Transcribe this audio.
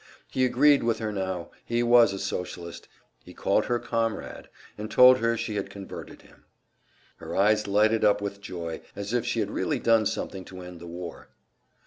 He agreed with her now; he was a Socialist, he called her "Comrade," and told her she had converted him. Her eyes lighted up with joy, as if she had really done something to end the war.